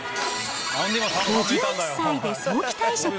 ５１歳で早期退職。